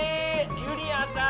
ゆりやん。